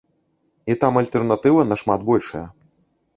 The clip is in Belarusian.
І там альтэрнатыва нашмат большая.